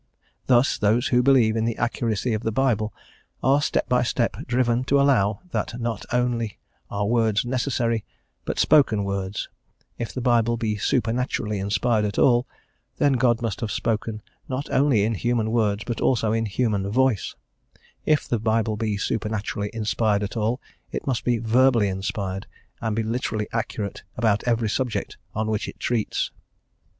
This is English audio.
Thus, those who believe in the accuracy of the Bible are step by step driven to allow that not only are words necessary, but spoken words; if the Bible be supernaturally inspired at all, then must God have spoken not only in human words but also in human voice; if the Bible be supernaturally inspired at all, it must be verbally inspired, and be literally accurate about every subject on which it treats.